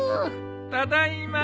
・ただいま。